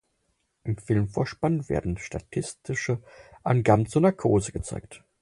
Im Filmvorspann werden statistische Angaben zur Narkose gezeigt.